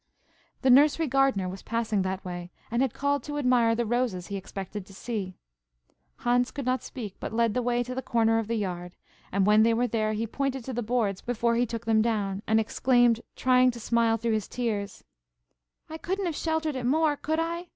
The nursery gardener was passing that way, and had called to admire the roses he expected to see. Hans could not speak, but led the way to the corner of the yard, and, when they were there, he pointed to the boards before he took them down, and exclaimed, trying to smile through his tears: "I couldn't have sheltered it more, could I?